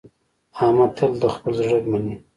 احمد تل د خپل زړه مني.